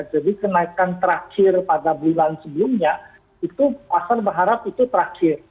jadi kenaikan terakhir pada bulan sebelumnya itu pasar berharap itu terakhir